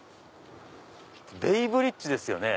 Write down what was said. ベイブリッジですよね。